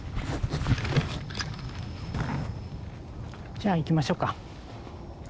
じゃあ行きましょうか。